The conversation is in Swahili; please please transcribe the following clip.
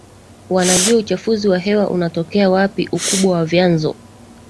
wanajua uchafuzi wa hewa unatokea wapi ukubwa wa vyanzo